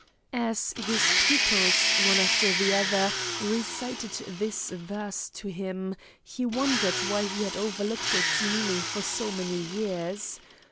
As his pupils, one after the other, recited this verse to him, he wondered why he had overlooked its meaning for so many years.